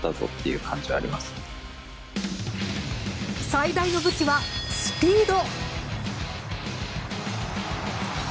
最大の武器は、スピード。